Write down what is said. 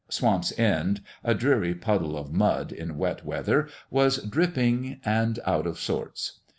Swamp's End a dreary puddle of mud in wet weather was dripping and out of sorts.